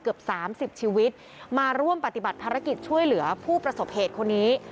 เกือบ๓๐ชีวิตมาร่วมปฏิบัติภารกิจช่วยเหลือผู้ประสบเหตุคนนี้